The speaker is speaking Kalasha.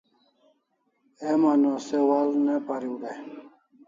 Heman o se wa'al ne pariu dai